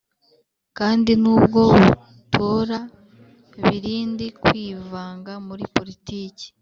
kandi nubwo batora birinda kwivanga muri politiki.